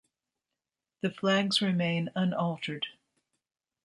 The flags remain unaltered.